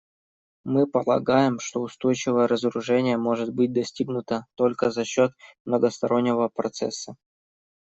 Мы полагаем, что устойчивое разоружение может быть достигнуто только за счет многостороннего процесса.